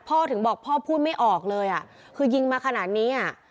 ถึงบอกพ่อพูดไม่ออกเลยอ่ะคือยิงมาขนาดนี้อ่ะ